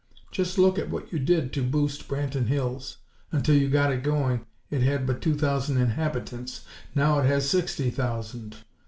Just look at what you did to boost Branton Hills! Until you got it a going it had but two thousand inhabitants; now it has sixty thousand!